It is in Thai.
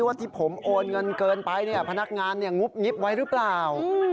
ว่าที่ผมโอนเงินเกินไปพนักงานงุบงิบไว้หรือเปล่า